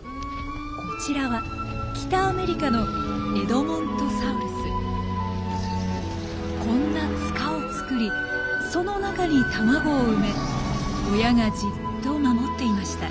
こちらは北アメリカのこんな塚を作りその中に卵を埋め親がじっと守っていました。